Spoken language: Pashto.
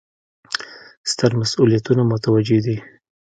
ستر مسوولیتونه متوجه دي.